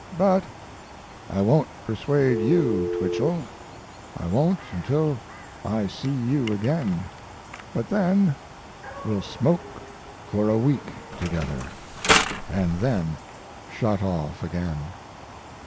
But I won't persuade you, Twichell I won't until I see you again but then we'll smoke for a week together, and then shut off again.